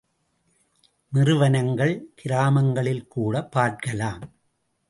நிறுவனங்கள், கிராமங்களில் கூட பார்க்கலாம்!